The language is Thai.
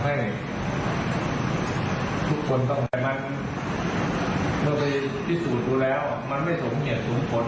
มันทำให้ทุกคนต้องแต่มันเราไปพิสูจน์ดูแล้ว